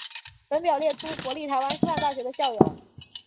本表列出国立台湾师范大学的校友。